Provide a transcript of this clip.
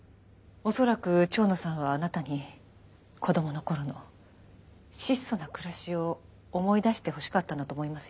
恐らく蝶野さんはあなたに子供の頃の質素な暮らしを思い出してほしかったんだと思いますよ。